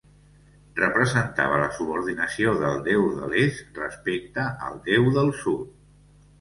Representava la subordinació del déu de l'est respecte el déu del sud.